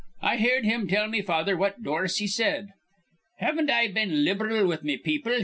I heerd him tell me father what Dorsey said. 'Haven't I been lib'ral with me people?'